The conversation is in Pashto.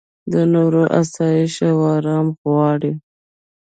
د نورو اسایش او ارام غواړې.